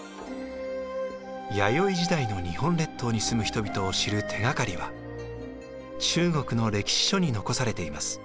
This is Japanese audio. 弥生時代の日本列島に住む人々を知る手がかりは中国の歴史書に残されています。